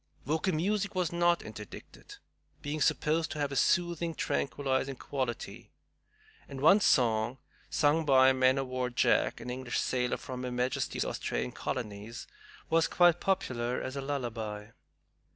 Vocal music was not interdicted, being supposed to have a soothing, tranquilizing quality; and one song, sung by "Man o' War Jack," an English sailor from her Majesty's Australian colonies, was quite popular as a lullaby.